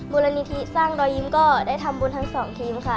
มูลนิธิสร้างรอยยิ้มก็ได้ทำบุญทั้งสองทีมค่ะ